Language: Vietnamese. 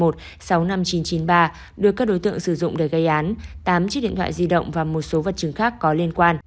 được các đối tượng sử dụng để gây án tám chiếc điện thoại di động và một số vật chứng khác có liên quan